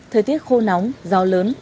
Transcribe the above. thời tiết khô nóng gió lớn